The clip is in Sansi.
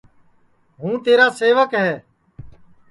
ہوں تیرا سیوک ہے